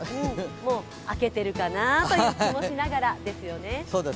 もう明けているかなという気もしながらという感じですね。